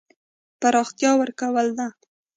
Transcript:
پراختیا ورکول ده.